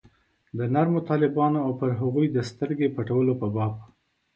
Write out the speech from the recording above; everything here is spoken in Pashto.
د نرمو طالبانو او پر هغوی د سترګې پټولو په باب.